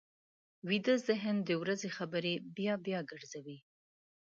ویده ذهن د ورځې خبرې بیا بیا ګرځوي